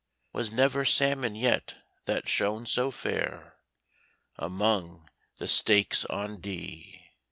Was never salmon yet that shone so fair Among the stakes on Dee.'